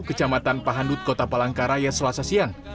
kecamatan pahandut kota palangkaraya selasa siang